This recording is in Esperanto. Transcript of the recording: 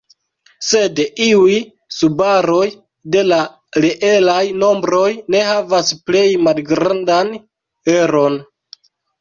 Sed iuj subaroj de la reelaj nombroj ne havas plej malgrandan eron.